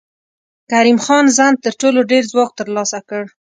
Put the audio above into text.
کریم خان زند تر ټولو ډېر ځواک تر لاسه کړ.